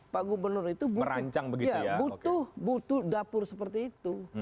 pak gubernur itu butuh dapur seperti itu